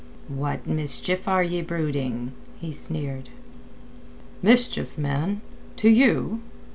"What mischief are ye brooding?" he sneered. "Mischief, man? To you?"